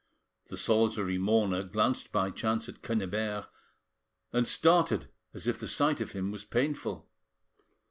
The solitary mourner glanced by chance at Quennebert, and started as if the sight of him was painful.